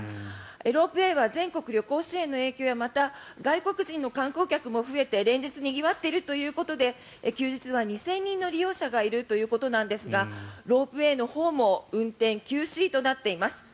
ロープウェーは全国旅行支援の影響やまた、外国人の観光客も増えて連日にぎわっているということで休日は２０００人の利用者がいるということなんですがロープウェーのほうも運転休止となっています。